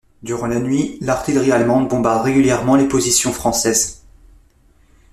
Durant la nuit, l'artillerie allemande bombarde régulièrement les positions françaises.